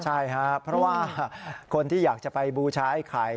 ใช่ครับเพราะว่าคนที่อยากจะไปบูชาไอ้ไข่